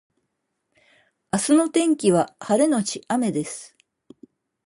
明日の天気は晴れのち雨です